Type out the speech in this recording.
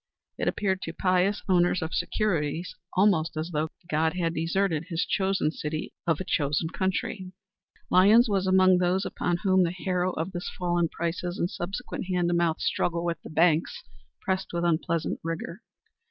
It appeared to pious owners of securities almost as though God had deserted his chosen city of a chosen country. Lyons was among those upon whom the harrow of this fall in prices and subsequent hand to mouth struggle with the banks pressed with unpleasant rigor.